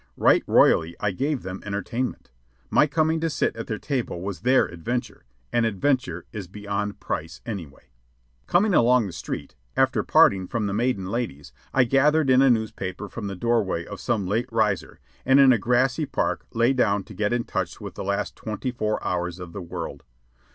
Right royally I gave them entertainment. My coming to sit at their table was their adventure, and adventure is beyond price anyway. Coming along the street, after parting from the maiden ladies, I gathered in a newspaper from the doorway of some late riser, and in a grassy park lay down to get in touch with the last twenty four hours of the world.